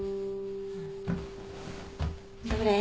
どれ？